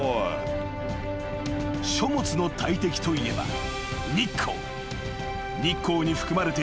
［書物の大敵といえば日光］